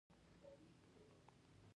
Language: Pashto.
تر سفر څو ورځې دمخه مې ټابلیټ واخیست.